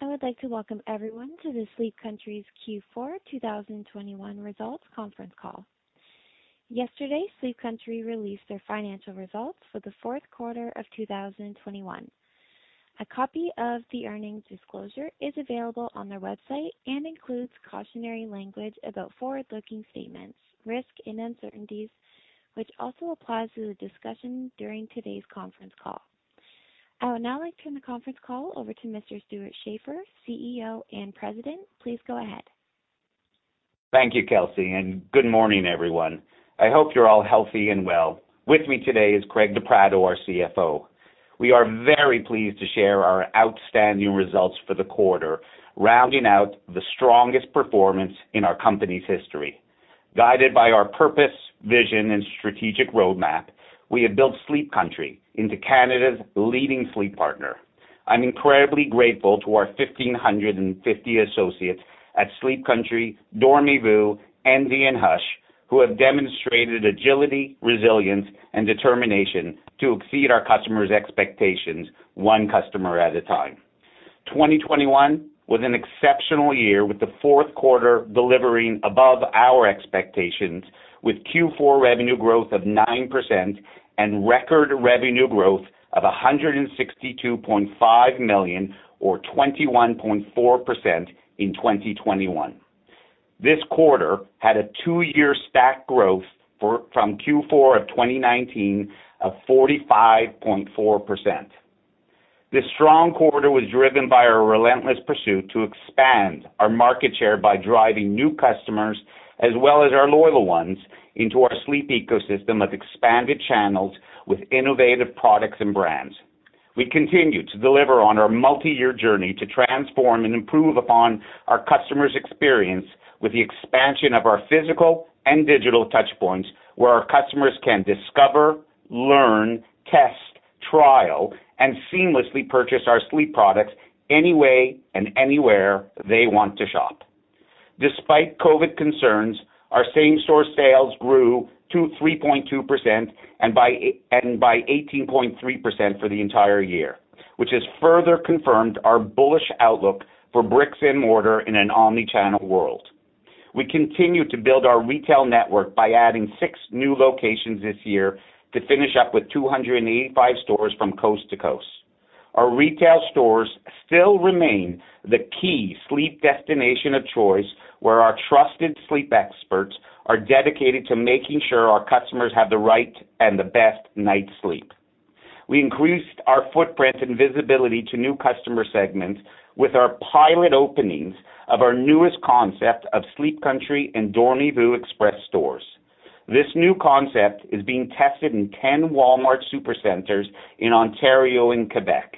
I would like to welcome everyone to the Sleep Country's Q4 2021 results conference call. Yesterday, Sleep Country released their financial results for the fourth quarter of 2021. A copy of the earnings disclosure is available on their website and includes cautionary language about forward-looking statements, risks, and uncertainties, which also applies to the discussion during today's conference call. I would now like to turn the conference call over to Mr. Stewart Schaefer, CEO and President. Please go ahead. Thank you, Kelsey, and good morning, everyone. I hope you're all healthy and well. With me today is Craig De Pratto, our CFO. We are very pleased to share our outstanding results for the quarter, rounding out the strongest performance in our company's history. Guided by our purpose, vision, and strategic roadmap, we have built Sleep Country into Canada's leading sleep partner. I'm incredibly grateful to our 1,550 associates at Sleep Country, Dormez-vous, Endy, and Hush, who have demonstrated agility, resilience, and determination to exceed our customers' expectations one customer at a time. 2021 was an exceptional year, with the fourth quarter delivering above our expectations, with Q4 revenue growth of 9% and record revenue growth of 162.5 million or 21.4% in 2021. This quarter had a two-year stack growth for Q4 of 2019 of 45.4%. This strong quarter was driven by our relentless pursuit to expand our market share by driving new customers as well as our loyal ones into our sleep ecosystem of expanded channels with innovative products and brands. We continue to deliver on our multi-year journey to transform and improve upon our customers' experience with the expansion of our physical and digital touchpoints, where our customers can discover, learn, test, trial, and seamlessly purchase our sleep products any way and anywhere they want to shop. Despite COVID concerns, our same-store sales grew to 3.2% and by 18.3% for the entire year, which has further confirmed our bullish outlook for bricks and mortar in an omni-channel world. We continue to build our retail network by adding six new locations this year to finish up with 285 stores from coast to coast. Our retail stores still remain the key sleep destination of choice, where our trusted sleep experts are dedicated to making sure our customers have the right and the best night's sleep. We increased our footprint and visibility to new customer segments with our pilot openings of our newest concept of Sleep Country and Dormez-vous Express stores. This new concept is being tested in 10 Walmart Supercenters in Ontario and Quebec.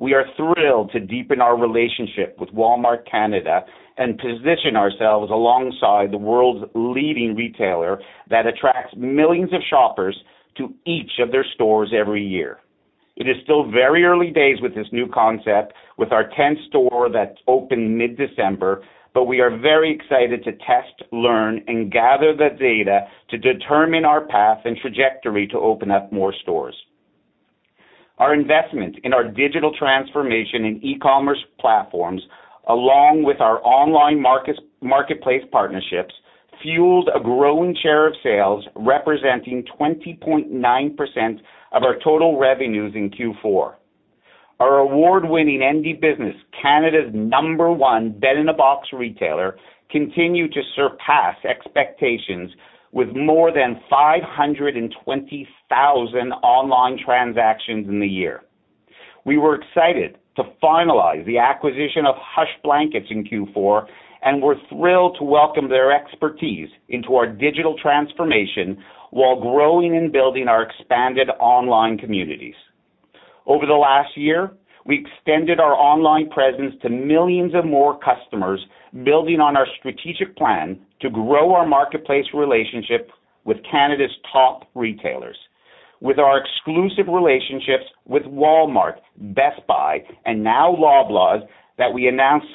We are thrilled to deepen our relationship with Walmart Canada and position ourselves alongside the world's leading retailer that attracts millions of shoppers to each of their stores every year. It is still very early days with this new concept with our tenth store that opened mid-December, but we are very excited to test, learn, and gather the data to determine our path and trajectory to open up more stores. Our investment in our digital transformation in e-commerce platforms, along with our online marketplace partnerships, fueled a growing share of sales representing 20.9% of our total revenues in Q4. Our award-winning Endy business, Canada's number one bed-in-a-box retailer, continued to surpass expectations with more than 520,000 online transactions in the year. We were excited to finalize the acquisition of Hush Blankets in Q4, and we're thrilled to welcome their expertise into our digital transformation while growing and building our expanded online communities. Over the last year, we extended our online presence to millions of more customers, building on our strategic plan to grow our marketplace relationship with Canada's top retailers. With our exclusive relationships with Walmart, Best Buy, and now Loblaw that we announced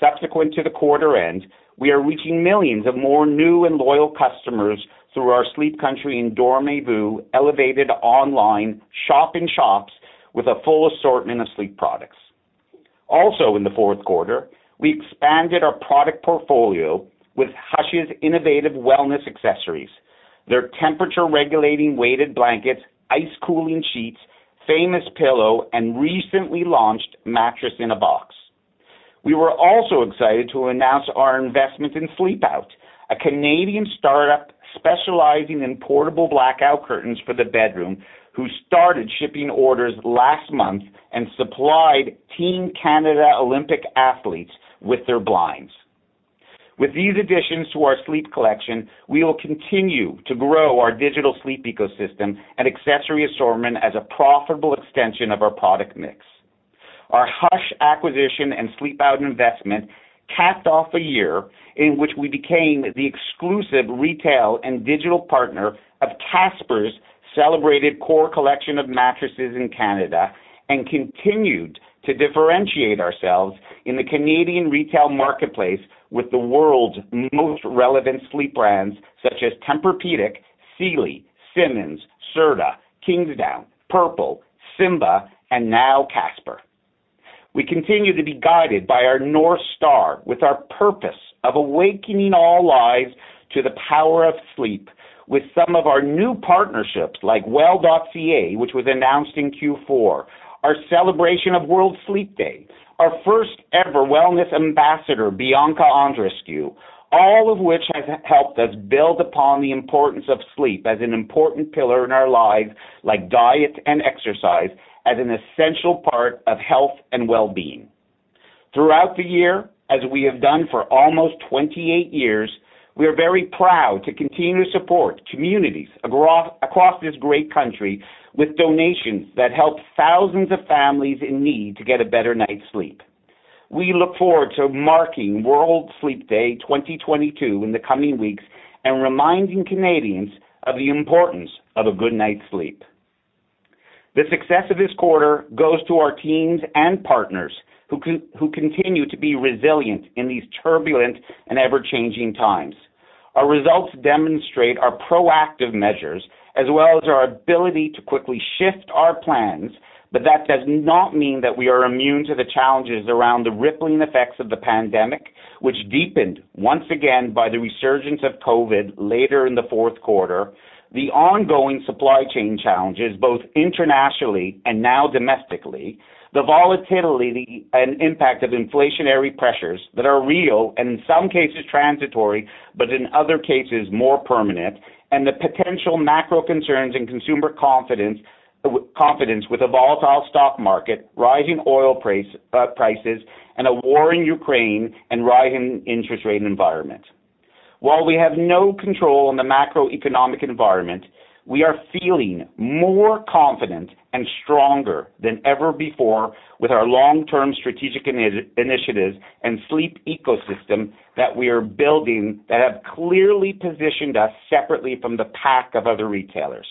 subsequent to the quarter end, we are reaching millions of more new and loyal customers through our Sleep Country and Dormez-vous elevated online shop-in-shops with a full assortment of sleep products. Also, in the fourth quarter, we expanded our product portfolio with Hush's innovative wellness accessories, their temperature-regulating weighted blankets, ice cooling sheets, famous pillow, and recently launched mattress in a box. We were also excited to announce our investment in Sleepout, a Canadian startup specializing in portable blackout curtains for the bedroom, who started shipping orders last month and supplied Team Canada Olympic athletes with their blinds. With these additions to our sleep collection, we will continue to grow our digital sleep ecosystem and accessory assortment as a profitable extension of our product mix. Our Hush acquisition and Sleepout investment capped off a year in which we became the exclusive retail and digital partner of Casper's celebrated core collection of mattresses in Canada and continued to differentiate ourselves in the Canadian retail marketplace with the world's most relevant sleep brands such as Tempur-Pedic, Sealy, Simmons, Serta, Kingsdown, Purple, Simba, and now Casper. We continue to be guided by our North Star with our purpose of awakening all lives to the power of sleep with some of our new partnerships like well.ca, which was announced in Q4, our celebration of World Sleep Day, our first-ever wellness ambassador, Bianca Andreescu, all of which has helped us build upon the importance of sleep as an important pillar in our lives, like diet and exercise, as an essential part of health and well-being. Throughout the year, as we have done for almost 28 years, we are very proud to continue to support communities across this great country with donations that help thousands of families in need to get a better night's sleep. We look forward to marking World Sleep Day 2022 in the coming weeks and reminding Canadians of the importance of a good night's sleep. The success of this quarter goes to our teams and partners who continue to be resilient in these turbulent and ever-changing times. Our results demonstrate our proactive measures as well as our ability to quickly shift our plans, but that does not mean that we are immune to the challenges around the rippling effects of the pandemic, which deepened once again by the resurgence of COVID later in the fourth quarter, the ongoing supply chain challenges, both internationally and now domestically, the volatility and impact of inflationary pressures that are real and in some cases transitory, but in other cases, more permanent, and the potential macro concerns in consumer confidence with a volatile stock market, rising oil prices, and a war in Ukraine and rising interest rate environment. While we have no control on the macroeconomic environment, we are feeling more confident and stronger than ever before with our long-term strategic initiatives and sleep ecosystem that we are building that have clearly positioned us separately from the pack of other retailers.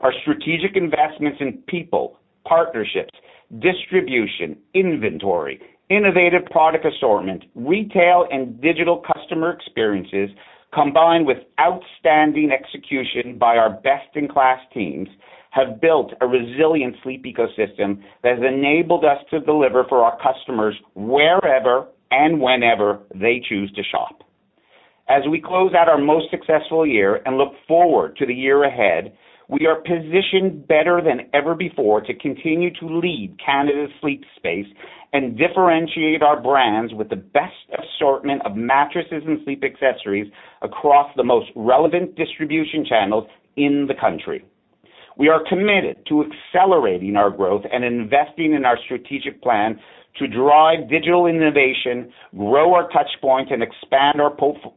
Our strategic investments in people, partnerships, distribution, inventory, innovative product assortment, retail and digital customer experiences, combined with outstanding execution by our best-in-class teams, have built a resilient sleep ecosystem that has enabled us to deliver for our customers wherever and whenever they choose to shop. As we close out our most successful year and look forward to the year ahead, we are positioned better than ever before to continue to lead Canada's sleep space and differentiate our brands with the best assortment of mattresses and sleep accessories across the most relevant distribution channels in the country. We are committed to accelerating our growth and investing in our strategic plan to drive digital innovation, grow our touch point, and expand our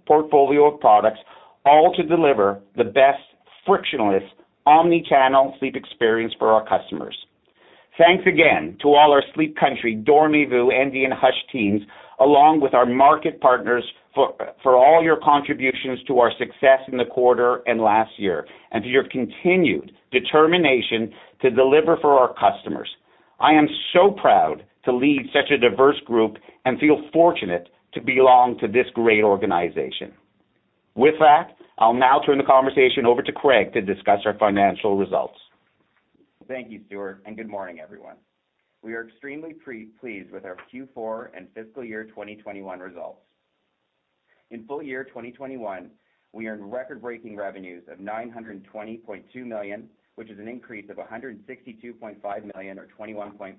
portfolio of products, all to deliver the best frictionless omni-channel sleep experience for our customers. Thanks again to all our Sleep Country, Dormez-vous, and the Hush teams, along with our market partners for all your contributions to our success in the quarter and last year, and to your continued determination to deliver for our customers. I am so proud to lead such a diverse group and feel fortunate to belong to this great organization. With that, I'll now turn the conversation over to Craig to discuss our financial results. Thank you, Stuart, and good morning, everyone. We are extremely pleased with our Q4 and fiscal year 2021 results. In full year 2021, we earned record-breaking revenues of 920.2 million, which is an increase of 162.5 million or 21.4%.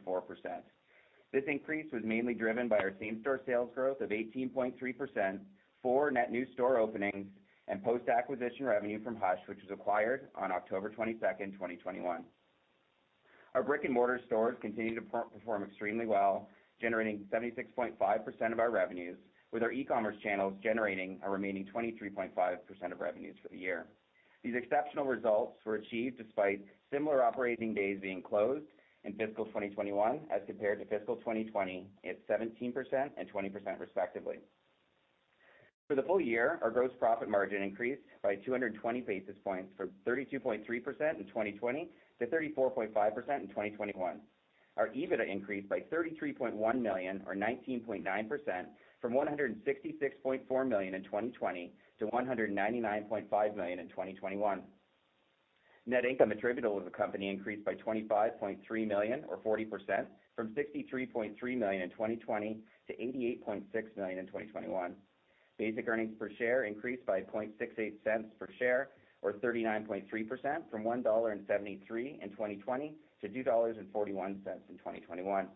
This increase was mainly driven by our same-store sales growth of 18.3%, four net new store openings and post-acquisition revenue from Hush, which was acquired on October 22, 2021. Our brick-and-mortar stores continued to perform extremely well, generating 76.5% of our revenues, with our e-commerce channels generating our remaining 23.5% of revenues for the year. These exceptional results were achieved despite similar operating days being closed in fiscal 2021 as compared to fiscal 2020 at 17% and 20% respectively. For the full year, our gross profit margin increased by 220 basis points from 32.3% in 2020 to 34.5% in 2021. Our EBITDA increased by 33.1 million or 19.9% from 166.4 million in 2020 to 199.5 million in 2021. Net income attributable to the company increased by 25.3 million or 40% from 63.3 million in 2020 to 88.6 million in 2021. Basic earnings per share increased by 0.68 per share or 39.3% from 1.73 dollar in 2020 to 2.41 dollars in 2021.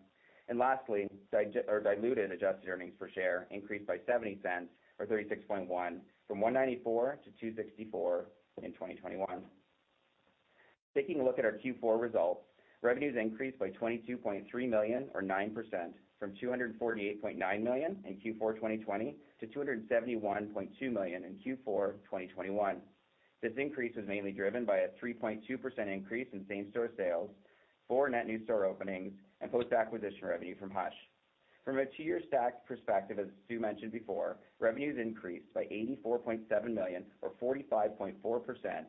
Lastly, diluted adjusted earnings per share increased by 0.70 or 36.1% from 1.94-2.64 in 2021. Taking a look at our Q4 results, revenues increased by 22.3 million or 9% from 248.9 million in Q4 2020 to 271.2 million in Q4 2021. This increase was mainly driven by a 3.2% increase in same-store sales, four net new store openings and post-acquisition revenue from Hush. From a two-year stacked perspective, as Stu mentioned before, revenues increased by 84.7 million or 45.4%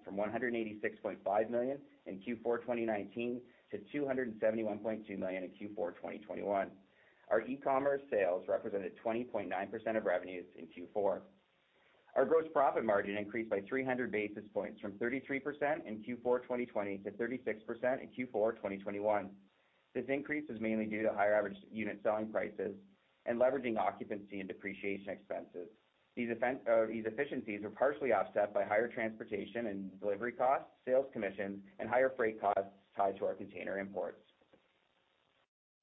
from 186.5 million in Q4 2019 to 271.2 million in Q4 2021. Our e-commerce sales represented 20.9% of revenues in Q4. Our gross profit margin increased by 300 basis points from 33% in Q4 2020 to 36% in Q4 2021. This increase is mainly due to higher average unit selling prices and leveraging occupancy and depreciation expenses. These efficiencies were partially offset by higher transportation and delivery costs, sales commissions, and higher freight costs tied to our container imports.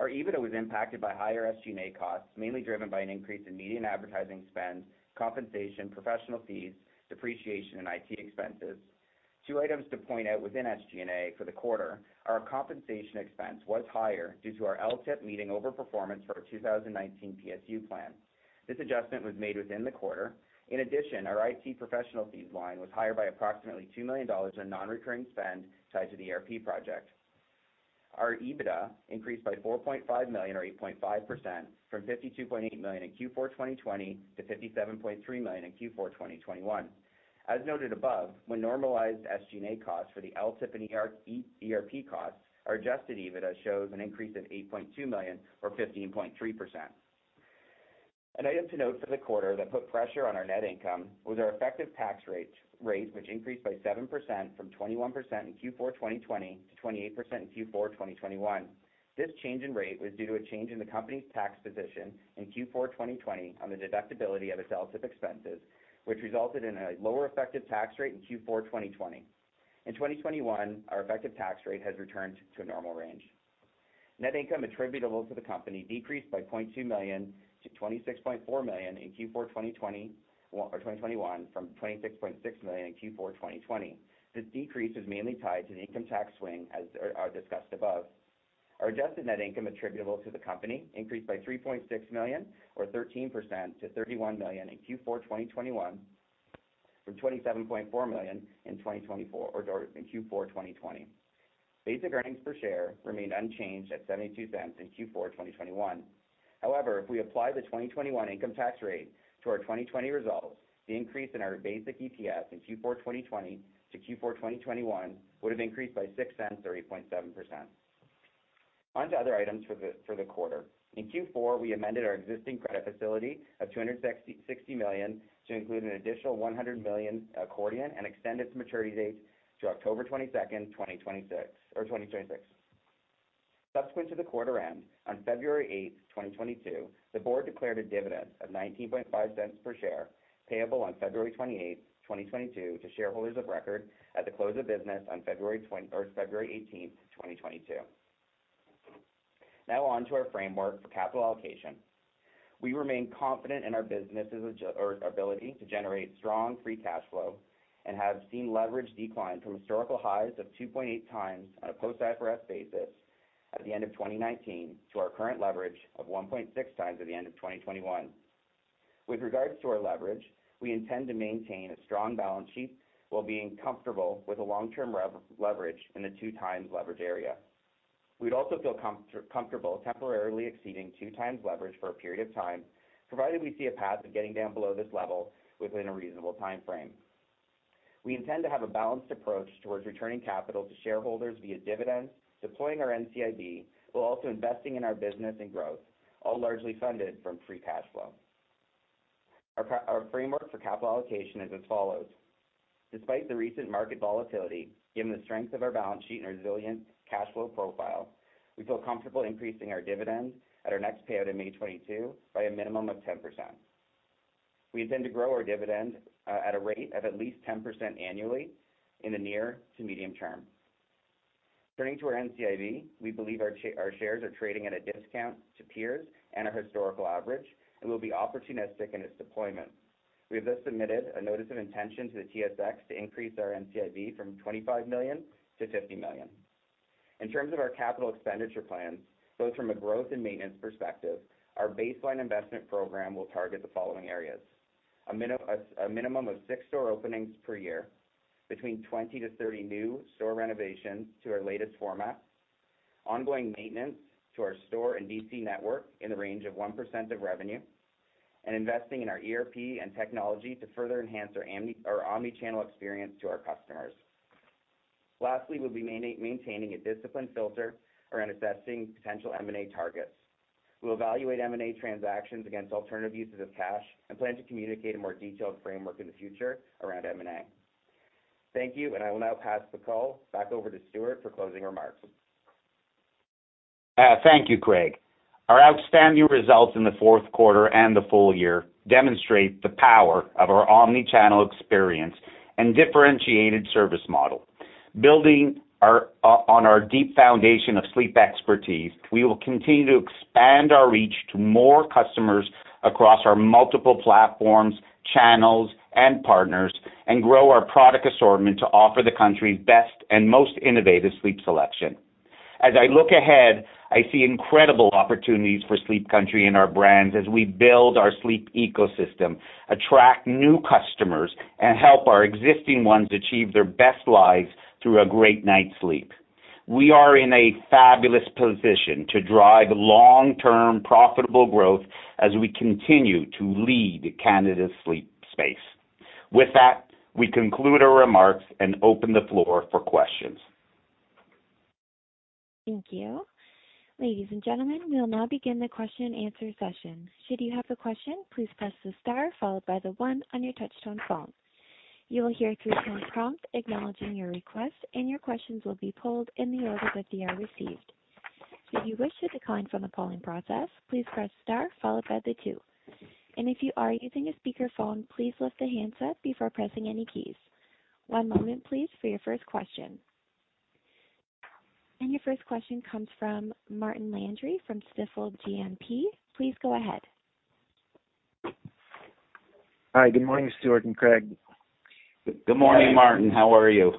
Our EBITDA was impacted by higher SG&A costs, mainly driven by an increase in media and advertising spend, compensation, professional fees, depreciation, and IT expenses. Two items to point out within SG&A for the quarter, our compensation expense was higher due to our LTIP meeting over performance for our 2019 PSU plan. This adjustment was made within the quarter. In addition, our IT professional fees line was higher by approximately 2 million dollars in non-recurring spend tied to the ERP project. Our EBITDA increased by 4.5 million or 8.5% from 52.8 million in Q4 2020 to 57.3 million in Q4 2021. As noted above, when normalized SG&A costs for the LTIP and ERP costs, our adjusted EBITDA shows an increase of 8.2 million or 15.3%. An item to note for the quarter that put pressure on our net income was our effective tax rate, which increased by 7% from 21% in Q4 2020 to 28% in Q4 2021. This change in rate was due to a change in the company's tax position in Q4 2020 on the deductibility of its LTIP expenses, which resulted in a lower effective tax rate in Q4 2020. In 2021, our effective tax rate has returned to a normal range. Net income attributable to the company decreased by 0.2 million to 26.4 million in Q4 2021 from 26.6 million in Q4 2020. This decrease is mainly tied to the income tax swing as discussed above. Our adjusted net income attributable to the company increased by 3.6 million or 13% to 31 million in Q4 2021 from CAD 27.4 million in Q4 2020. Basic earnings per share remained unchanged at 0.72 in Q4 2021. However, if we apply the 2021 income tax rate to our 2020 results, the increase in our basic EPS in Q4 2020 to Q4 2021 would have increased by 0.06 or 8.7%. On to other items for the quarter. In Q4, we amended our existing credit facility of 260 million to include an additional 100 million accordion and extend its maturity date to October 22, 2026. Subsequent to the quarter end, on February 8, 2022, the board declared a dividend of 0.195 per share, payable on February 28, 2022 to shareholders of record at the close of business on February 18, 2022. Now on to our framework for capital allocation. We remain confident in our business's ability to generate strong free cash flow and have seen leverage decline from historical highs of 2.8x on a post-IFRS basis at the end of 2019 to our current leverage of 1.6x at the end of 2021. With regards to our leverage, we intend to maintain a strong balance sheet while being comfortable with a long-term leverage in the 2x leverage area. We'd also feel comfortable temporarily exceeding 2x leverage for a period of time, provided we see a path of getting down below this level within a reasonable timeframe. We intend to have a balanced approach towards returning capital to shareholders via dividends, deploying our NCIB, while also investing in our business and growth, all largely funded from free cash flow. Our framework for capital allocation is as follows. Despite the recent market volatility, given the strength of our balance sheet and resilient cash flow profile, we feel comfortable increasing our dividends at our next payout in May 2022 by a minimum of 10%. We intend to grow our dividend at a rate of at least 10% annually in the near to medium term. Turning to our NCIB, we believe our shares are trading at a discount to peers and our historical average and we'll be opportunistic in its deployment. We have just submitted a notice of intention to the TSX to increase our NCIB from 25 million-50 million. In terms of our capital expenditure plans, both from a growth and maintenance perspective, our baseline investment program will target the following areas. A minimum of six store openings per year, between 20-30 new store renovations to our latest format, ongoing maintenance to our store and DC network in the range of 1% of revenue, and investing in our ERP and technology to further enhance our omni-channel experience to our customers. Lastly, we'll be maintaining a disciplined filter around assessing potential M&A targets. We'll evaluate M&A transactions against alternative uses of cash and plan to communicate a more detailed framework in the future around M&A. Thank you, and I will now pass the call back over to Stuart for closing remarks. Thank you, Craig. Our outstanding results in the fourth quarter and the full year demonstrate the power of our omni-channel experience and differentiated service model. Building on our deep foundation of sleep expertise, we will continue to expand our reach to more customers across our multiple platforms, channels, and partners, and grow our product assortment to offer the country's best and most innovative sleep selection. As I look ahead, I see incredible opportunities for Sleep Country and our brands as we build our sleep ecosystem, attract new customers, and help our existing ones achieve their best lives through a great night's sleep. We are in a fabulous position to drive long-term profitable growth as we continue to lead Canada's sleep space. With that, we conclude our remarks and open the floor for questions. Thank you. Ladies and gentlemen, we'll now begin the question and answer session. Should you have a question, please press the star followed by the one on your touchtone phone. You will hear a three-tone prompt acknowledging your request, and your questions will be pulled in the order that they are received. If you wish to decline from the polling process, please press star followed by the two. If you are using a speakerphone, please lift the handset before pressing any keys. One moment please, for your first question. Your first question comes from Martin Landry from Stifel GMP. Please go ahead. Hi, good morning, Stewart and Craig. Good morning, Martin. How are you?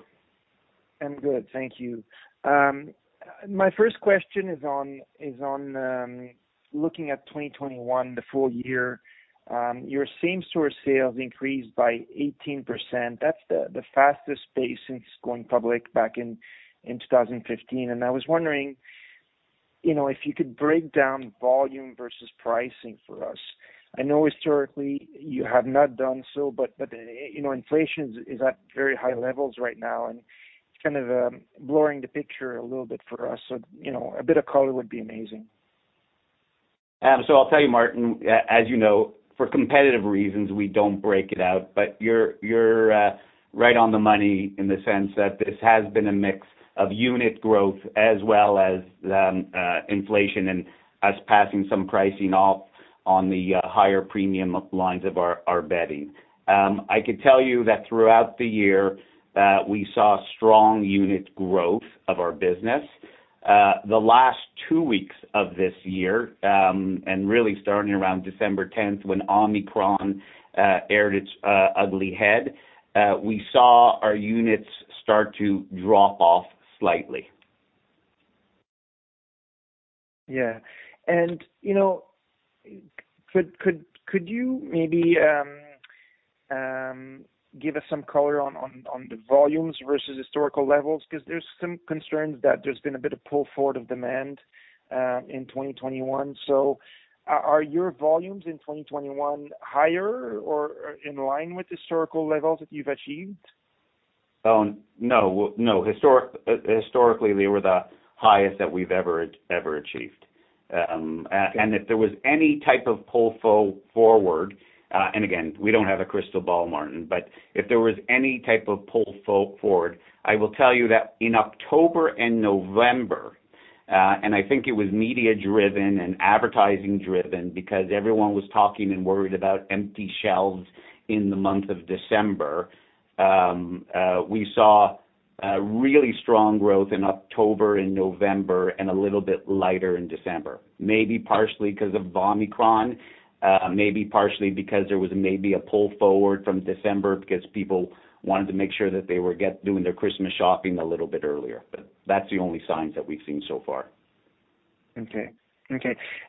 I'm good. Thank you. My first question is on looking at 2021, the full year, your same-store sales increased by 18%. That's the fastest pace since going public back in 2015. I was wondering, you know, if you could break down volume versus pricing for us. I know historically you have not done so, but you know, inflation is at very high levels right now and kind of blurring the picture a little bit for us. You know, a bit of color would be amazing. I'll tell you, Martin, as you know, for competitive reasons, we don't break it out. You're right on the money in the sense that this has been a mix of unit growth as well as inflation and us passing some pricing off on the higher premium lines of our bedding. I could tell you that throughout the year, we saw strong unit growth of our business. The last two weeks of this year, and really starting around December tenth when Omicron reared its ugly head, we saw our units start to drop off slightly. Yeah. You know, could you maybe give us some color on the volumes versus historical levels? 'Cause there's some concerns that there's been a bit of pull forward of demand in 2021. Are your volumes in 2021 higher or in line with historical levels that you've achieved? No. Historically, they were the highest that we've ever achieved. If there was any type of pull forward, and again, we don't have a crystal ball, Martin, but if there was any type of pull forward, I will tell you that in October and November, and I think it was media driven and advertising driven because everyone was talking and worried about empty shelves in the month of December, we saw really strong growth in October and November and a little bit lighter in December. Maybe partially 'cause of Omicron, maybe partially because there was maybe a pull forward from December because people wanted to make sure that they were doing their Christmas shopping a little bit earlier. That's the only signs that we've seen so far. Okay.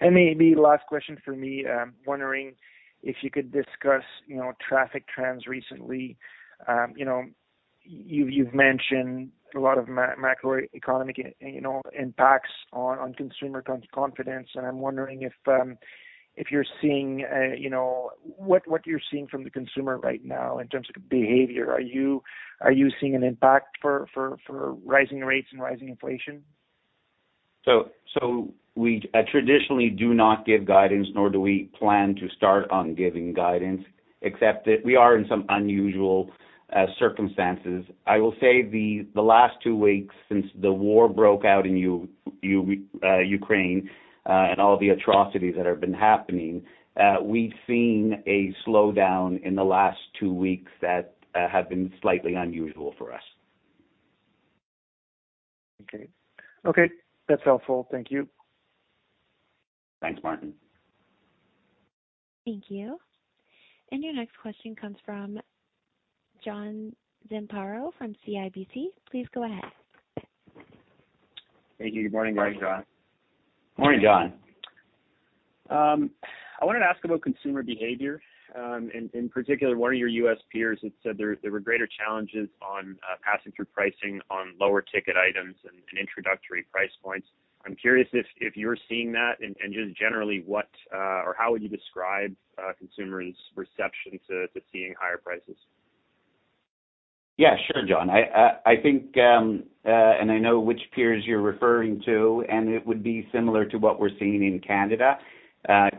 Maybe last question for me, wondering if you could discuss, you know, traffic trends recently. You know, you've mentioned a lot of macroeconomic, you know, impacts on consumer confidence, and I'm wondering if you're seeing, you know, what you're seeing from the consumer right now in terms of behavior. Are you seeing an impact from rising rates and rising inflation? We traditionally do not give guidance, nor do we plan to start on giving guidance, except that we are in some unusual circumstances. I will say the last two weeks since the war broke out in Ukraine and all the atrocities that have been happening, we've seen a slowdown in the last two weeks that have been slightly unusual for us. Okay, that's helpful. Thank you. Thanks, Martin. Thank you. Your next question comes from John Zamparo from CIBC. Please go ahead. Thank you. Good morning, Martin and John. Morning, John. I wanted to ask about consumer behavior. In particular, one of your U.S. peers had said there were greater challenges on passing through pricing on lower ticket items and introductory price points. I'm curious if you're seeing that, and just generally what or how would you describe consumers' perception to seeing higher prices? Yeah, sure, John. I think and I know which peers you're referring to, and it would be similar to what we're seeing in Canada.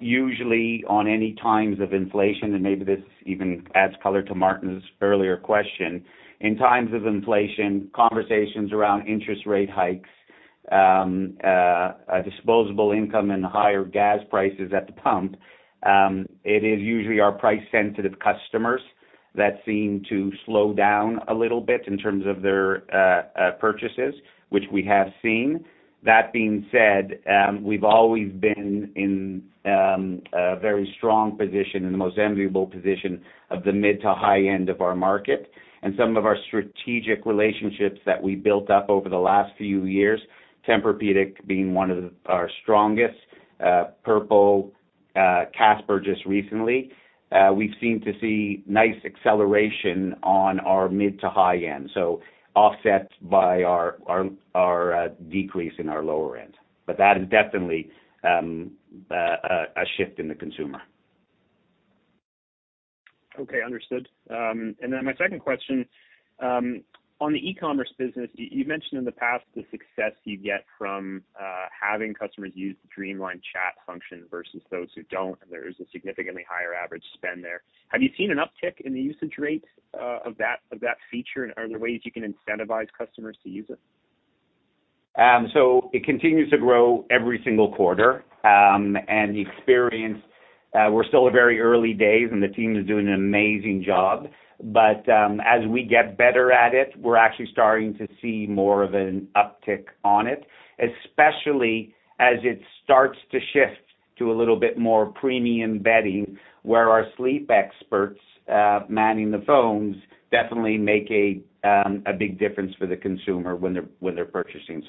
Usually in any times of inflation, and maybe this even adds color to Martin's earlier question. In times of inflation, conversations around interest rate hikes, disposable income and higher gas prices at the pump, it is usually our price-sensitive customers that seem to slow down a little bit in terms of their purchases, which we have seen. That being said, we've always been in a very strong position and the most enviable position of the mid- to high-end of our market. Some of our strategic relationships that we built up over the last few years, Tempur-Pedic being one of our strongest, Purple, Casper just recently, we've seemed to see nice acceleration on our mid to high end, so offset by our decrease in our lower end. That is definitely a shift in the consumer. Okay, understood. My second question, on the e-commerce business, you mentioned in the past the success you get from having customers use the Dreamline chat function versus those who don't, and there is a significantly higher average spend there. Have you seen an uptick in the usage rate of that feature? Are there ways you can incentivize customers to use it? It continues to grow every single quarter. The experience, we're still at very early days, and the team is doing an amazing job. As we get better at it, we're actually starting to see more of an uptick on it, especially as it starts to shift to a little bit more premium bedding, where our sleep experts manning the phones definitely make a big difference for the consumer when they're purchasing.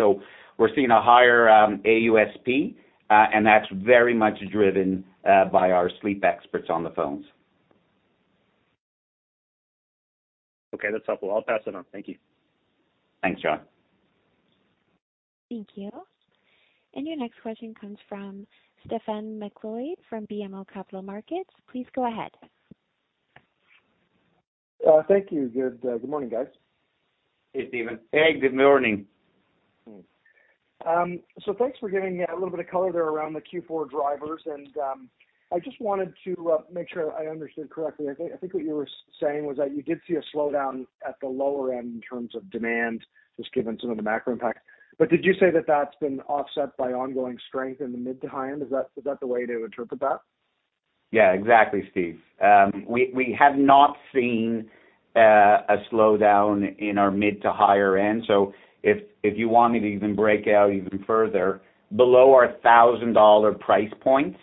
We're seeing a higher AUSP, and that's very much driven by our sleep experts on the phones. Okay, that's helpful. I'll pass it on. Thank you. Thanks, John. Thank you. Your next question comes from Stephen MacLeod from BMO Capital Markets. Please go ahead. Thank you. Good morning, guys. Hey, Stephen. Hey, good morning. Thanks for giving a little bit of color there around the Q4 drivers, and I just wanted to make sure I understood correctly. I think what you were saying was that you did see a slowdown at the lower end in terms of demand, just given some of the macro impacts. But did you say that that's been offset by ongoing strength in the mid to high end? Is that the way to interpret that? Yeah, exactly, Steve. We have not seen a slowdown in our mid- to higher-end. If you want me to even break out even further, below our 1,000 dollar price points,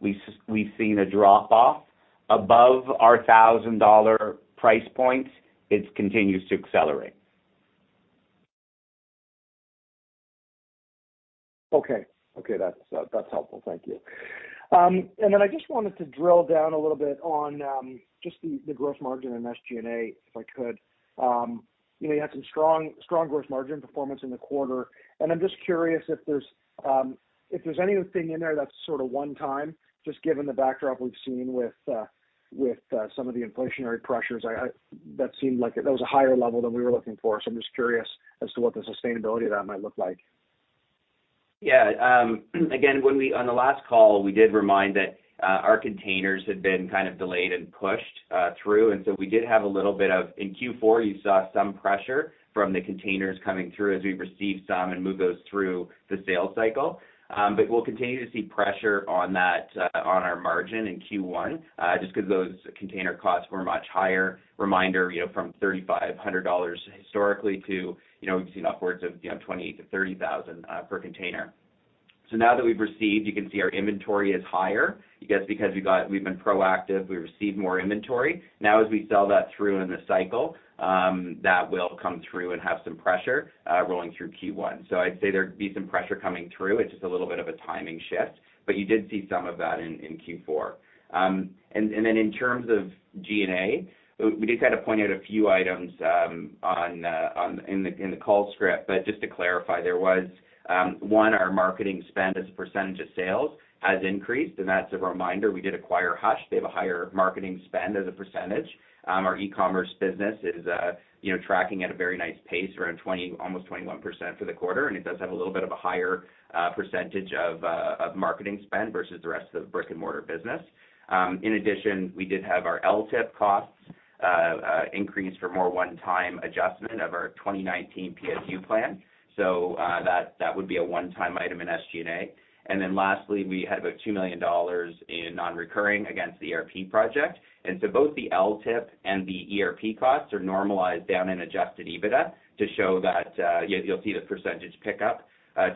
we've seen a drop off. Above our CAD 1,000 it continues to accelerate. Okay. Okay, that's helpful. Thank you. I just wanted to drill down a little bit on just the gross margin and SG&A, if I could. You know, you had some strong gross margin performance in the quarter, and I'm just curious if there's anything in there that's sort of one time, just given the backdrop we've seen with some of the inflationary pressures. That was a higher level than we were looking for, so I'm just curious as to what the sustainability of that might look like. Yeah. Again, on the last call, we did remind that our containers had been kind of delayed and pushed through, and we did have a little bit of pressure in Q4. You saw some pressure from the containers coming through as we received some and moved those through the sales cycle. We'll continue to see pressure on that, on our margin in Q1, just 'cause those container costs were much higher. Reminder, you know, from 3,500 dollars historically to, you know, we've seen upwards of, you know, 28,000-30,000 per container. Now that we've received, you can see our inventory is higher. I guess because we've been proactive, we received more inventory. Now as we sell that through in the cycle, that will come through and have some pressure rolling through Q1. I'd say there'd be some pressure coming through. It's just a little bit of a timing shift, but you did see some of that in Q4. In terms of G&A, we just had to point out a few items in the call script. Just to clarify, there was one, our marketing spend as a percentage of sales has increased, and that's a reminder we did acquire Hush. They have a higher marketing spend as a percentage. Our e-commerce business is, you know, tracking at a very nice pace, around 20, almost 21% for the quarter, and it does have a little bit of a higher percentage of marketing spend versus the rest of the brick-and-mortar business. In addition, we did have our LTIP costs increase from a one-time adjustment of our 2019 PSU plan. That would be a one-time item in SG&A. Lastly, we had about 2 million dollars in non-recurring against the ERP project. Both the LTIP and the ERP costs are normalized down in adjusted EBITDA to show that you'll see the percentage pickup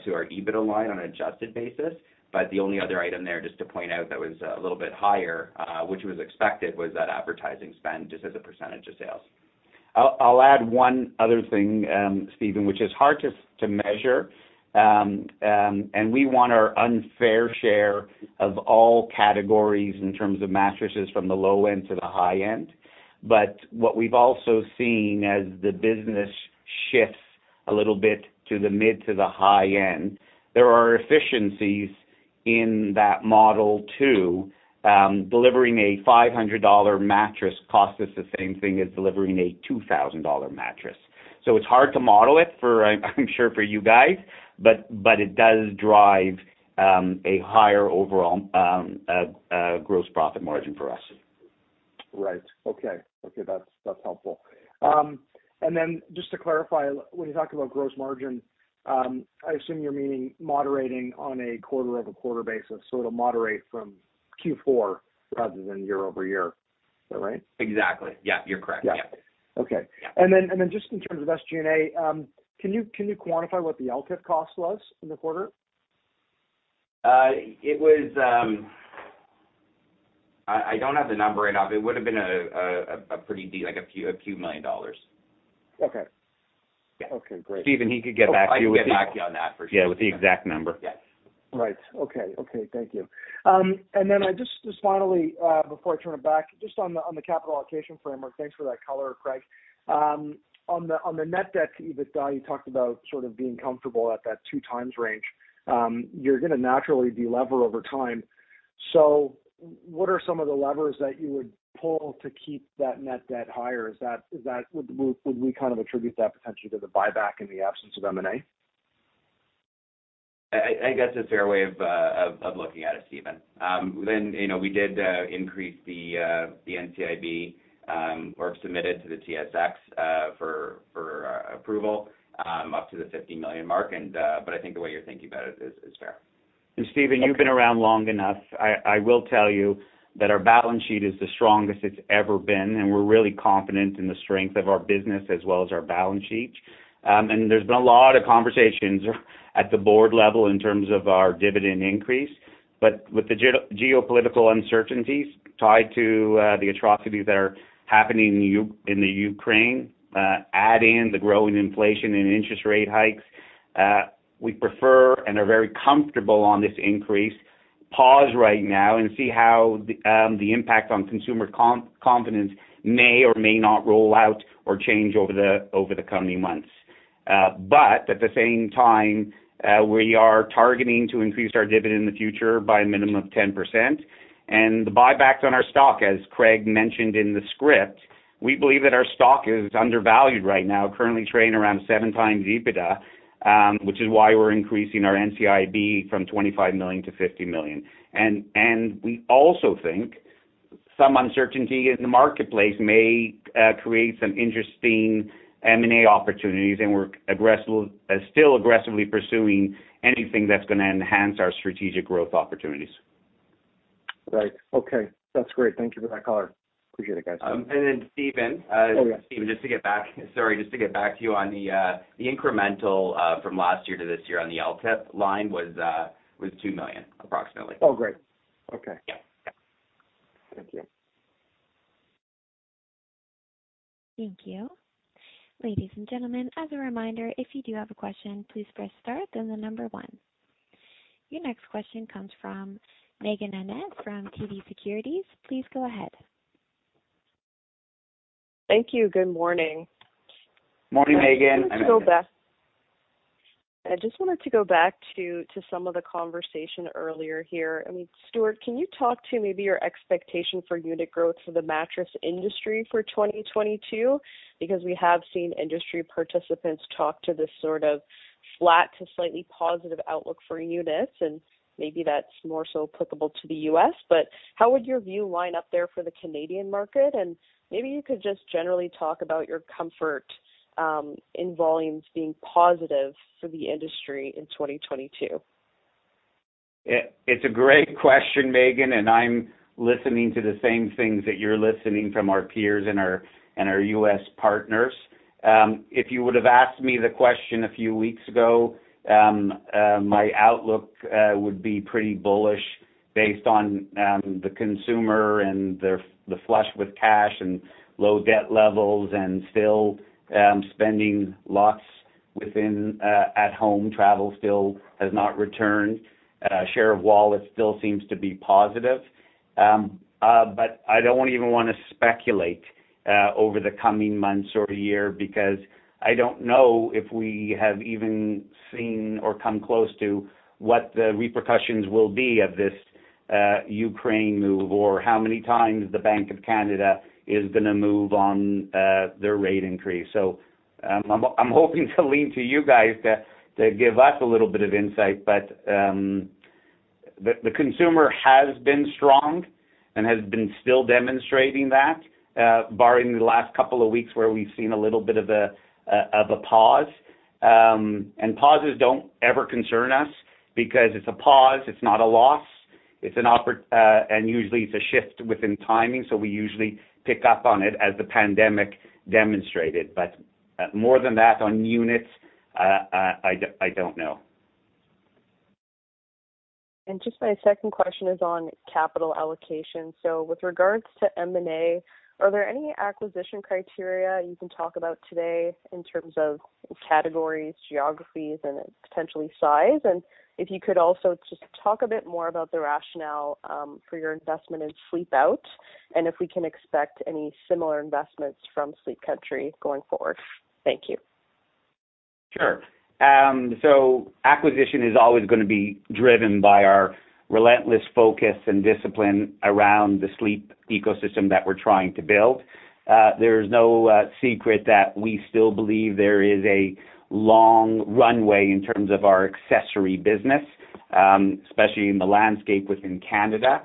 to our EBITDA line on an adjusted basis. The only other item there, just to point out, that was a little bit higher, which was expected, was that advertising spend just as a percentage of sales. I'll add one other thing, Stephen, which is hard to measure. We want our unfair share of all categories in terms of mattresses from the low end to the high end. What we've also seen as the business shifts a little bit to the mid to the high end, there are efficiencies in that model too. Delivering a 500 dollar mattress costs us the same thing as delivering a 2,000 dollar mattress. It's hard to model it for, I'm sure for you guys, but it does drive a higher overall gross profit margin for us. Right. Okay. That's helpful. Just to clarify, when you talk about gross margin, I assume you're meaning moderating on a quarter-over-quarter basis, so it'll moderate from Q4 rather than year-over-year. Is that right? Exactly. Yeah, you're correct. Yeah. Okay. Just in terms of SG&A, can you quantify what the LTIP cost was in the quarter? I don't have the number right now, but it would've been like a few million dollars. Okay. Yeah. Okay, great. Stephen, he could get back to you with the. Oh, I can get back to you on that for sure. Yeah, with the exact number. Yes. Right. Okay. Okay, thank you. I just finally, before I turn it back, just on the capital allocation framework, thanks for that color, Craig. On the net debt to EBITDA, you talked about sort of being comfortable at that 2x range. You're gonna naturally de-lever over time. What are some of the levers that you would pull to keep that net debt higher? Is that? Would we kind of attribute that potentially to the buyback in the absence of M&A? I guess it's a fair way of looking at it, Stephen. You know, we did increase the NCIB or submitted to the TSX for approval up to the 50 million mark. But I think the way you're thinking about it is fair. Stephen, you've been around long enough. I will tell you that our balance sheet is the strongest it's ever been, and we're really confident in the strength of our business as well as our balance sheet. There's been a lot of conversations at the board level in terms of our dividend increase. With the geopolitical uncertainties tied to the atrocities that are happening in Ukraine, add in the growing inflation and interest rate hikes, we prefer and are very comfortable with this increase to pause right now and see how the impact on consumer confidence may or may not roll out or change over the coming months. At the same time, we are targeting to increase our dividend in the future by a minimum of 10%. The buybacks on our stock, as Craig mentioned in the script, we believe that our stock is undervalued right now, currently trading around 7x EBITDA, which is why we're increasing our NCIB from 25 million-50 million. We also think some uncertainty in the marketplace may create some interesting M&A opportunities, and we're still aggressively pursuing anything that's gonna enhance our strategic growth opportunities. Right. Okay. That's great. Thank you for that color. Appreciate it, guys. And then Steven, Oh, yeah. Steven, sorry, just to get back to you on the incremental from last year to this year on the LTIP line was 2 million approximately. Oh, great. Okay. Yeah. Thank you. Thank you. Ladies and gentlemen, as a reminder, if you do have a question, please press star, then the number one. Your next question comes from Meaghen Annett from TD Securities. Please go ahead. Thank you. Good morning. Morning, Meaghen. I just wanted to go back to some of the conversation earlier here. I mean, Stewart, can you talk to maybe your expectation for unit growth for the mattress industry for 2022? Because we have seen industry participants talk to this sort of flat to slightly positive outlook for units, and maybe that's more so applicable to the U.S. How would your view line up there for the Canadian market? Maybe you could just generally talk about your comfort in volumes being positive for the industry in 2022. It's a great question, Meagan, and I'm listening to the same things that you're listening from our peers and our U.S. partners. If you would have asked me the question a few weeks ago, my outlook would be pretty bullish based on the consumer flush with cash and low debt levels and still spending lots within at home. Travel still has not returned. Share of wallet still seems to be positive. But I don't even wanna speculate over the coming months or year because I don't know if we have even seen or come close to what the repercussions will be of this Ukraine move or how many times the Bank of Canada is gonna move on their rate increase. I'm hoping to lean on you guys to give us a little bit of insight. The consumer has been strong and has been still demonstrating that, barring the last couple of weeks where we've seen a little bit of a pause. Pauses don't ever concern us because it's a pause, it's not a loss. Usually it's a shift within timing, so we usually pick up on it as the pandemic demonstrated. More than that on units, I don't know. Just my second question is on capital allocation. With regards to M&A, are there any acquisition criteria you can talk about today in terms of categories, geographies, and potentially size? If you could also just talk a bit more about the rationale for your investment in Sleepout and if we can expect any similar investments from Sleep Country going forward. Thank you. Sure. Acquisition is always gonna be driven by our relentless focus and discipline around the sleep ecosystem that we're trying to build. There's no secret that we still believe there is a long runway in terms of our accessory business, especially in the landscape within Canada.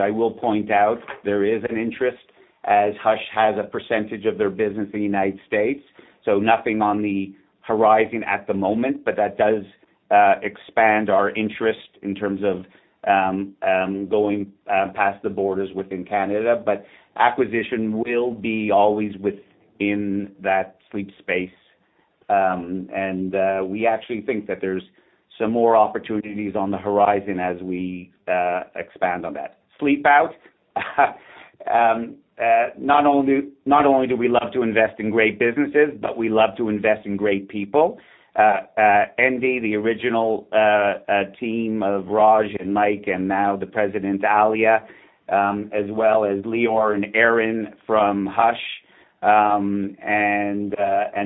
I will point out there is an interest as Hush has a percentage of their business in the United States, so nothing on the horizon at the moment, but that does expand our interest in terms of going past the borders within Canada. Acquisition will be always within that sleep space. We actually think that there's some more opportunities on the horizon as we expand on that. Sleepout, not only do we love to invest in great businesses, but we love to invest in great people. Endy, the original team of Raj and Mike, and now the president, Alia, as well as Lior and Aaron from Hush. And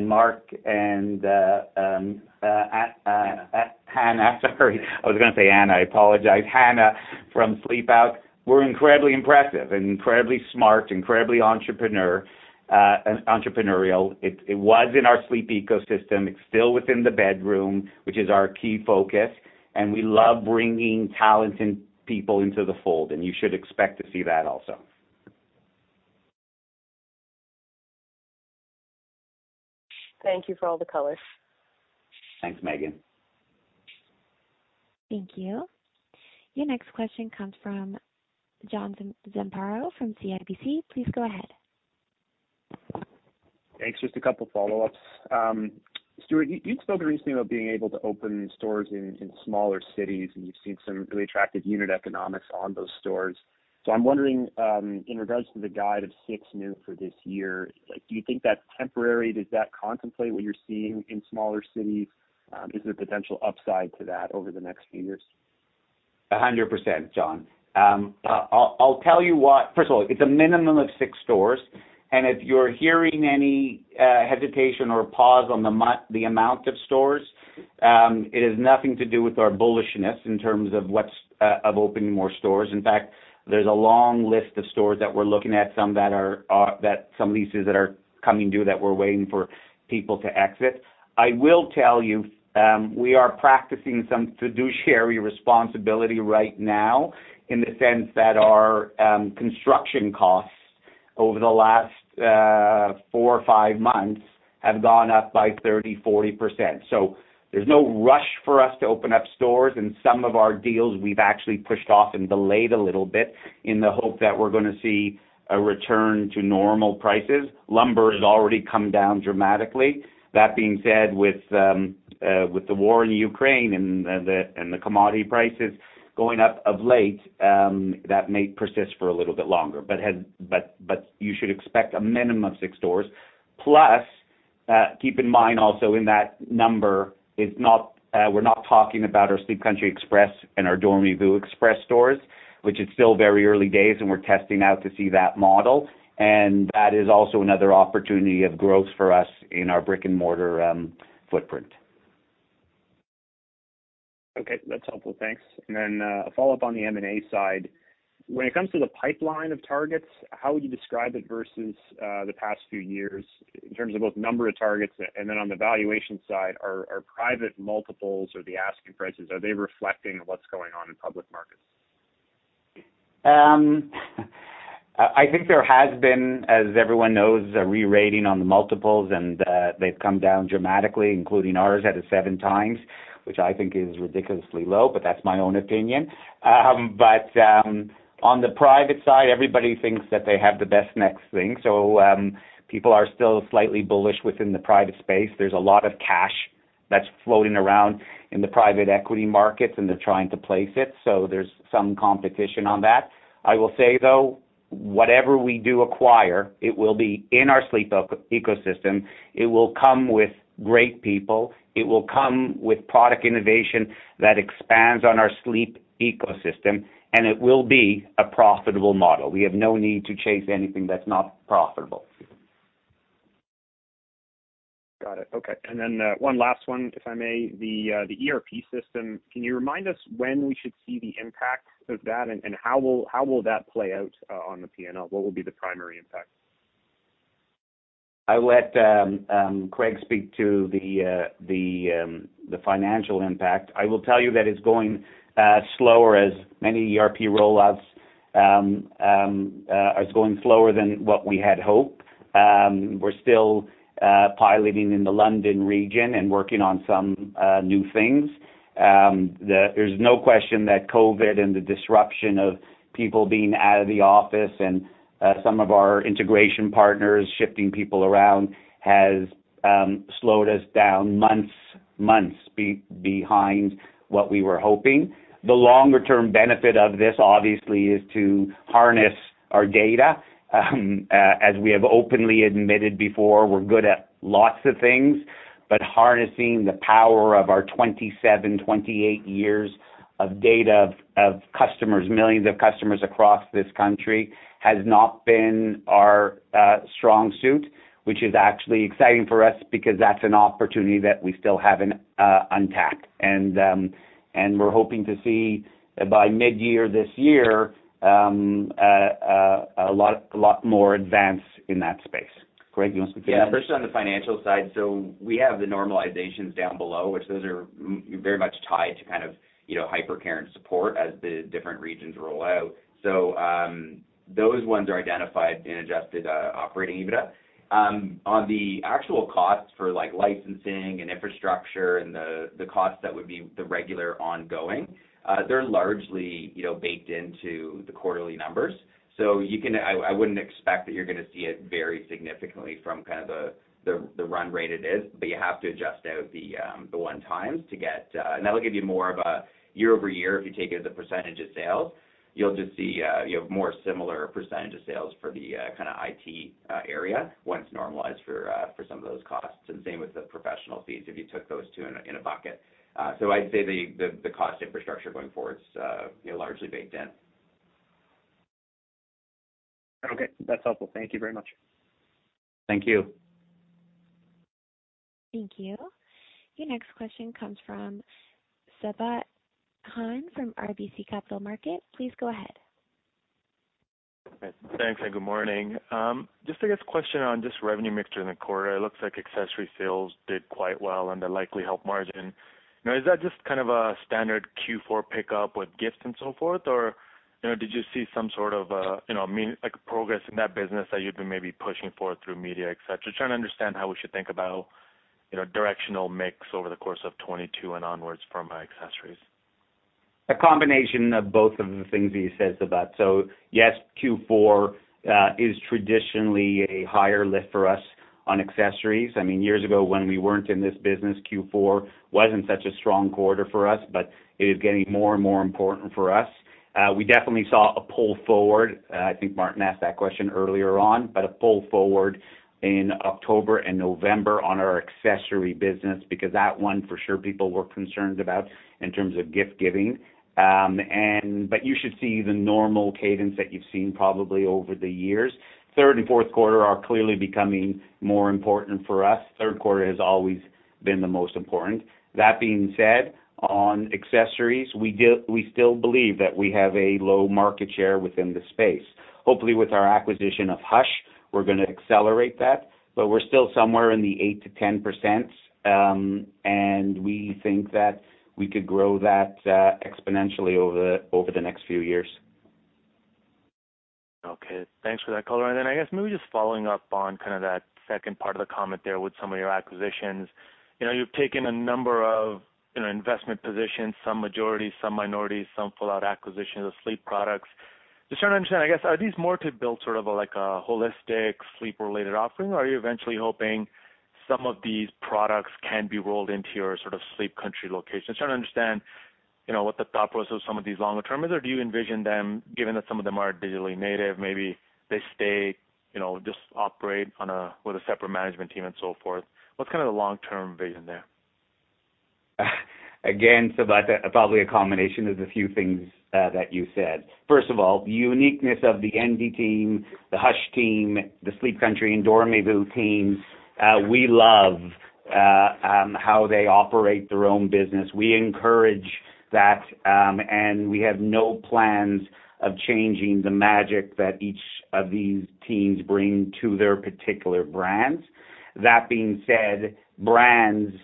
Mark and Hannah Hannah, sorry. I was gonna say Hannah. I apologize. Hannah from Sleepout were incredibly impressive and incredibly smart, incredibly entrepreneurial. It was in our sleep ecosystem. It's still within the bedroom, which is our key focus, and we love bringing talented people into the fold, and you should expect to see that also. Thank you for all the color. Thanks, Meaghen. Thank you. Your next question comes from John Zamparo from CIBC. Please go ahead. Thanks. Just a couple follow-ups. Stewart, you told me recently about being able to open stores in smaller cities, and you've seen some really attractive unit economics on those stores. I'm wondering, in regards to the guide of 6 new for this year, like do you think that's temporary? Does that contemplate what you're seeing in smaller cities? Is there potential upside to that over the next few years? 100%, John. I'll tell you what. First of all, it's a minimum of six stores, and if you're hearing any hesitation or pause on the amount of stores, it has nothing to do with our bullishness in terms of what's of opening more stores. In fact, there's a long list of stores that we're looking at, some leases that are coming due that we're waiting for people to exit. I will tell you, we are practicing some fiduciary responsibility right now in the sense that our construction costs over the last four or five months have gone up by 30%-40%. There's no rush for us to open up stores. In some of our deals, we've actually pushed off and delayed a little bit in the hope that we're gonna see a return to normal prices. Lumber has already come down dramatically. That being said, with the war in Ukraine and the commodity prices going up of late, that may persist for a little bit longer. But you should expect a minimum of six stores. Plus, keep in mind also in that number is not, we're not talking about our Sleep Country Express and our Dormez-vous Express stores, which is still very early days and we're testing out to see that model. That is also another opportunity of growth for us in our brick-and-mortar footprint. Okay. That's helpful. Thanks. A follow-up on the M&A side. When it comes to the pipeline of targets, how would you describe it versus the past few years in terms of both number of targets? On the valuation side, are private multiples or the asking prices reflecting what's going on in public markets? I think there has been, as everyone knows, a re-rating on the multiples and they've come down dramatically, including ours at a 7x, which I think is ridiculously low, but that's my own opinion. On the private side, everybody thinks that they have the best next thing. People are still slightly bullish within the private space. There's a lot of cash that's floating around in the private equity markets, and they're trying to place it. There's some competition on that. I will say, though, whatever we do acquire, it will be in our sleep ecosystem. It will come with great people. It will come with product innovation that expands on our sleep ecosystem, and it will be a profitable model. We have no need to chase anything that's not profitable. Got it. Okay. One last one, if I may. The ERP system, can you remind us when we should see the impact of that and how will that play out on the P&L? What will be the primary impact? I'll let Craig speak to the financial impact. I will tell you that it's going slower as many ERP rollouts is going slower than what we had hoped. We're still piloting in the London region and working on some new things. There's no question that COVID and the disruption of people being out of the office and some of our integration partners shifting people around has slowed us down months behind what we were hoping. The longer term benefit of this obviously is to harness our data. As we have openly admitted before, we're good at lots of things, but harnessing the power of our 27, 28 years of data of customers, millions of customers across this country, has not been our strong suit, which is actually exciting for us because that's an opportunity that we still haven't untapped. We're hoping to see by midyear this year a lot more advance in that space. Craig, you want to speak to that? Yeah. First on the financial side. We have the normalizations down below, which those are very much tied to kind of, you know, hyper care and support as the different regions roll out. Those ones are identified in adjusted operating EBITDA. On the actual costs for like licensing and infrastructure and the costs that would be the regular ongoing, they're largely, you know, baked into the quarterly numbers. I wouldn't expect that you're gonna see it vary significantly from kind of the run rate it is. But you have to adjust out the 1x to get. That'll give you more of a year-over-year if you take it as a percentage of sales. You'll just see, you know, more similar percentage of sales for the kinda IT area once normalized for some of those costs, and same with the professional fees if you took those two in a bucket. I'd say the cost infrastructure going forward is, you know, largely baked in. Okay, that's helpful. Thank you very much. Thank you. Thank you. Your next question comes from Sabahat Khan from RBC Capital Markets. Please go ahead. Okay. Thanks and good morning. Just, I guess, a question on the revenue mix in the quarter. It looks like accessory sales did quite well and they likely helped margins. You know, is that just kind of a standard Q4 pickup with gifts and so forth? Or, you know, did you see some sort of like progress in that business that you'd been maybe pushing for through media, etc.? Trying to understand how we should think about, you know, directional mix over the course of 2022 and onwards from accessories. A combination of both of the things that you said, Sabahat. Yes, Q4 is traditionally a higher lift for us on accessories. I mean, years ago, when we weren't in this business, Q4 wasn't such a strong quarter for us, but it is getting more and more important for us. We definitely saw a pull forward, I think Martin asked that question earlier on. A pull forward in October and November on our accessory business because that one for sure people were concerned about in terms of gift giving. You should see the normal cadence that you've seen probably over the years. Third and fourth quarter are clearly becoming more important for us. Third quarter has always been the most important. That being said, on accessories, we still believe that we have a low market share within the space. Hopefully, with our acquisition of Hush, we're gonna accelerate that, but we're still somewhere in the 8%-10%, and we think that we could grow that exponentially over the next few years. Okay. Thanks for that color. I guess maybe just following up on kind of that second part of the comment there with some of your acquisitions. You know, you've taken a number of, you know, investment positions, some majority, some minority, some full out acquisitions of sleep products. Just trying to understand, I guess, are these more to build sort of a, like a holistic sleep-related offering, or are you eventually hoping some of these products can be rolled into your sort of Sleep Country location? Trying to understand, you know, what the thought process some of these longer term is, or do you envision them, given that some of them are digitally native, maybe they stay, you know, just operate on a, with a separate management team and so forth. What's kind of the long-term vision there? Again, Sabahat, probably a combination of the few things that you said. First of all, the uniqueness of the Endy team, the Hush team, the Sleep Country and Dormez-vous teams, we love how they operate their own business. We encourage that, and we have no plans of changing the magic that each of these teams bring to their particular brands. That being said, brands is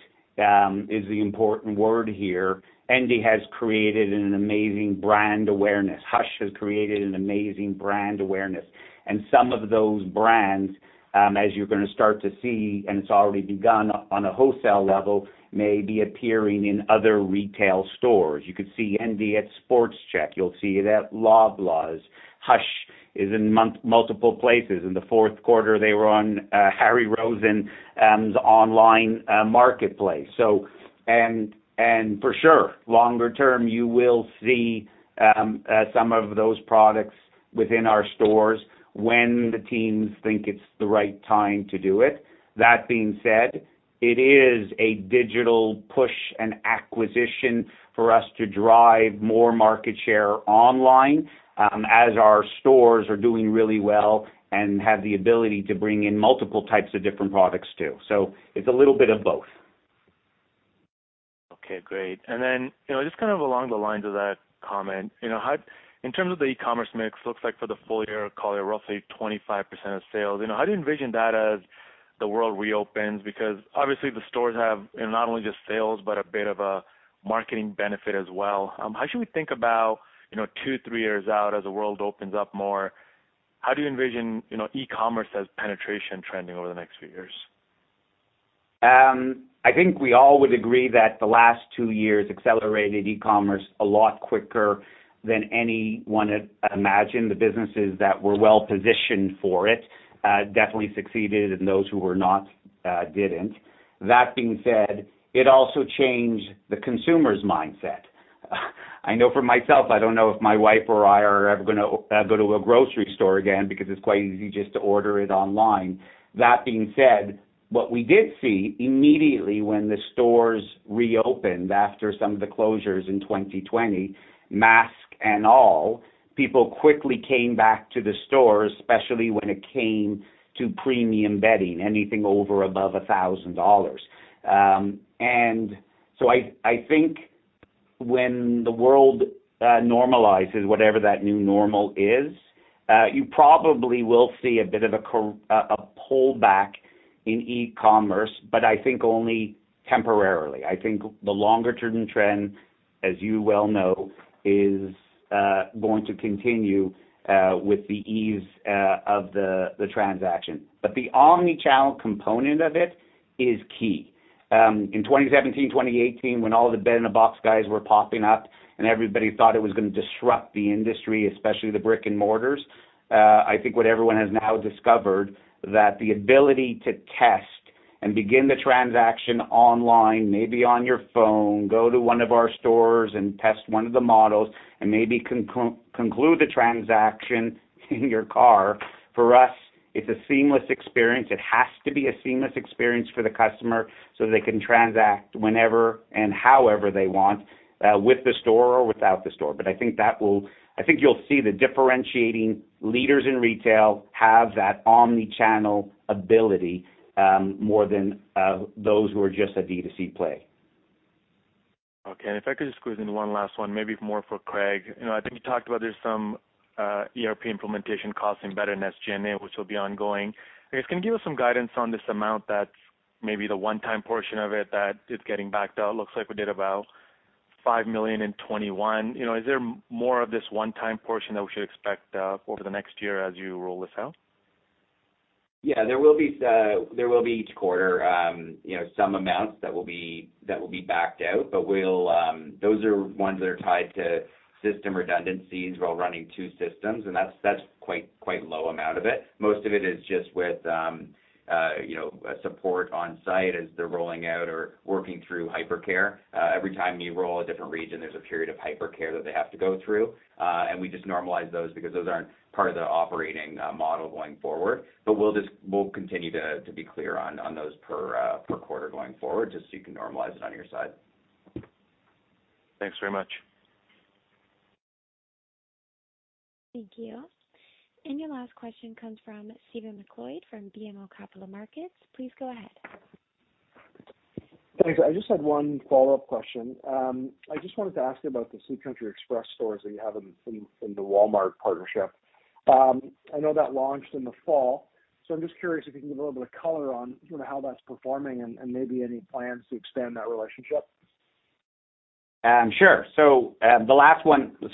the important word here. Endy has created an amazing brand awareness. Hush has created an amazing brand awareness, and some of those brands, as you're gonna start to see, and it's already begun on a wholesale level, may be appearing in other retail stores. You could see Endy at Sport Chek. You'll see it at Loblaw. Hush is in multiple places. In the fourth quarter, they were on Harry Rosen online marketplace. For sure, longer term, you will see some of those products within our stores when the teams think it's the right time to do it. That being said, it is a digital push and acquisition for us to drive more market share online, as our stores are doing really well and have the ability to bring in multiple types of different products too. It's a little bit of both. Okay, great. Then, you know, just kind of along the lines of that comment, you know, in terms of the e-commerce mix, looks like for the full year, call it roughly 25% of sales. You know, how do you envision that as the world reopens? Because obviously the stores have, you know, not only just sales, but a bit of a marketing benefit as well. How should we think about, you know, two, three years out as the world opens up more, how do you envision, you know, e-commerce as penetration trending over the next few years? I think we all would agree that the last two years accelerated e-commerce a lot quicker than anyone had imagined. The businesses that were well-positioned for it definitely succeeded and those who were not didn't. That being said, it also changed the consumer's mindset. I know for myself, I don't know if my wife or I are ever gonna go to a grocery store again because it's quite easy just to order it online. That being said, what we did see immediately when the stores reopened after some of the closures in 2020, mask and all, people quickly came back to the stores, especially when it came to premium bedding, anything over 1,000 dollars. I think when the world normalizes, whatever that new normal is, you probably will see a bit of a pullback in e-commerce, but I think only temporarily. I think the longer term trend, as you well know, is going to continue with the ease of the transaction. The omni-channel component of it is key. In 2017, 2018, when all the bed-in-a-box guys were popping up and everybody thought it was gonna disrupt the industry, especially the brick and mortars, I think what everyone has now discovered that the ability to test and begin the transaction online, maybe on your phone, go to one of our stores and test one of the models and maybe conclude the transaction in your car, for us. It's a seamless experience. It has to be a seamless experience for the customer so they can transact whenever and however they want, with the store or without the store. I think you'll see the differentiating leaders in retail have that omni-channel ability, more than those who are just a D2C play. Okay. If I could just squeeze in one last one, maybe more for Craig. You know, I think you talked about there's some ERP implementation costing better than SG&A, which will be ongoing. I was gonna give us some guidance on this amount that's maybe the one-time portion of it that is getting backed out. Looks like we did about 5 million in 2021. You know, is there more of this one-time portion that we should expect over the next year as you roll this out? Yeah, there will be each quarter, you know, some amounts that will be backed out. But those are ones that are tied to system redundancies while running two systems, and that's quite low amount of it. Most of it is just with, you know, support on site as they're rolling out or working through hypercare. Every time you roll a different region, there's a period of hypercare that they have to go through. We just normalize those because those aren't part of the operating model going forward. But we'll just continue to be clear on those per quarter going forward, just so you can normalize it on your side. Thanks very much. Thank you. Your last question comes from Stephen MacLeod from BMO Capital Markets. Please go ahead. Thanks. I just had one follow-up question. I just wanted to ask about the Sleep Country Express stores that you have in the Walmart partnership. I know that launched in the fall, so I'm just curious if you can give a little bit of color on sort of how that's performing and maybe any plans to expand that relationship. Sure.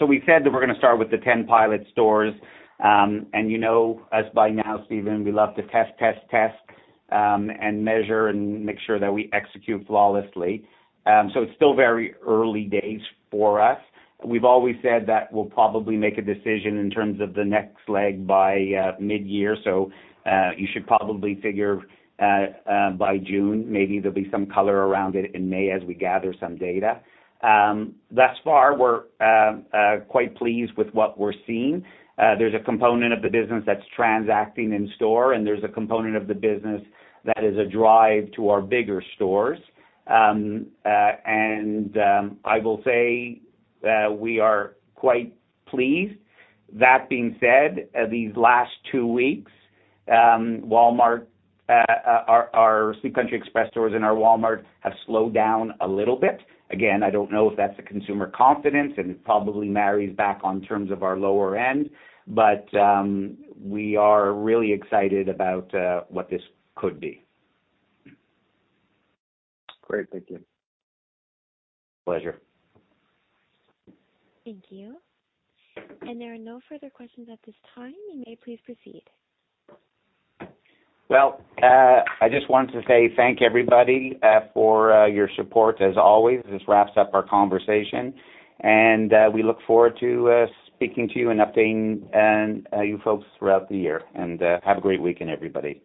We said that we're gonna start with the 10 pilot stores. You know us by now, Stephen, we love to test and measure and make sure that we execute flawlessly. It's still very early days for us. We've always said that we'll probably make a decision in terms of the next leg by mid-year. You should probably figure by June, maybe there'll be some color around it in May as we gather some data. Thus far, we're quite pleased with what we're seeing. There's a component of the business that's transacting in store, and there's a component of the business that is a drive to our bigger stores. I will say we are quite pleased. That being said, these last two weeks, Walmart, our Sleep Country Express stores in our Walmart have slowed down a little bit. Again, I don't know if that's the consumer confidence, and it probably marries back on terms of our lower end. We are really excited about what this could be. Great. Thank you. Pleasure. Thank you. There are no further questions at this time. You may please proceed. Well, I just wanted to say thank everybody for your support as always. This wraps up our conversation, and we look forward to speaking to you and updating you folks throughout the year. Have a great weekend, everybody.